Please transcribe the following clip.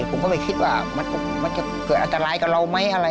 ผมก็ไม่คิดว่ามันจะเกิดอันตรายกับเราไหมอะไร